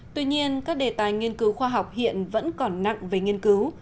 tuy nhiên các đề tài nghiên cứu khoa học hiện vẫn còn nặng về nghiên cứu